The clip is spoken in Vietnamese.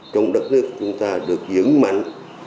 trong đất nước chúng ta được dựng mạnh